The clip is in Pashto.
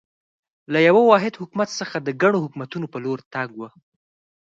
له یوه واحد حکومت څخه د ګڼو حکومتونو په لور تګ و.